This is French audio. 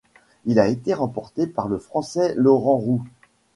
Il a été remporté par le Français Laurent Roux.